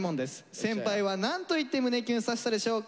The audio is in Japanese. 先輩はなんと言って胸キュンさせたでしょうか？